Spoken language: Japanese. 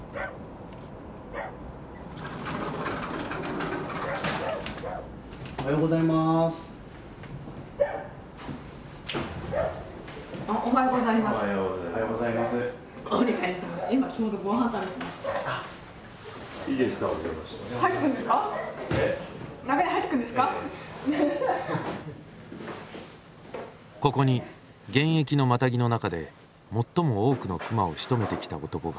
ここに現役のマタギの中で最も多くの熊をしとめてきた男がいる。